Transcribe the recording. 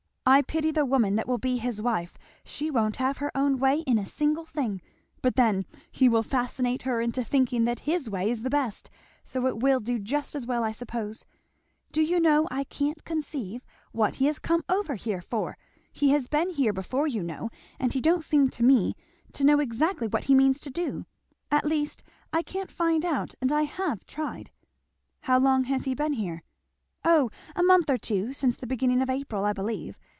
I pity the woman that will be his wife, she won't have her own way in a single thing; but then he will fascinate her into thinking that his way is the best, so it will do just as well I suppose. Do you know I can't conceive what he has come over here for? He has been here before, you know, and he don't seem to me to know exactly what he means to do; at least I can't find out, and I have tried." "How long has he been here?" "O a month or two since the beginning of April, I believe.